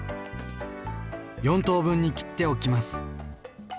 ４等分に切っておきます。